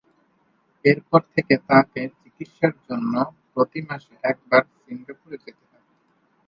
এরপর থেকে তাঁকে চিকিৎসার জন্য প্রতি মাসে একবার সিঙ্গাপুরে যেতে হয়।